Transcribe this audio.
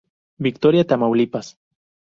Victoria, Tamaulipas.